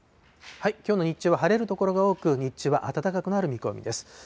きょうの日中は晴れる所が多く、日中は暖かくなる見込みです。